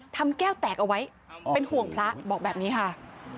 ทำแก้วแตกเอาไว้เป็นห่วงพระบอกแบบนี้ค่ะ